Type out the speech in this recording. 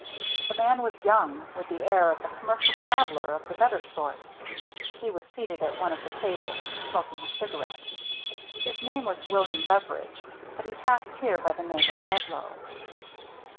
The man was young, with the air of the commercial traveller of the better sort. He was seated at one of the tables, smoking a ciga rette. His name was William Beveridge, but he passed here by the name of Bedloe.